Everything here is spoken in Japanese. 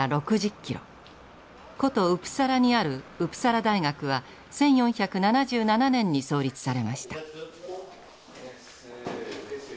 古都ウプサラにあるウプサラ大学は１４７７年に創立されました。